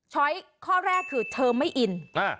้อยข้อแรกคือเธอไม่อิน